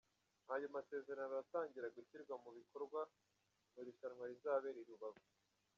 Ayo masezerano aratangira gushyirwa mu bikorwa mu irushanwa rizabera i Rubavu.